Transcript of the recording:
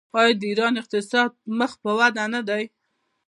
آیا د ایران اقتصاد مخ په وده نه دی؟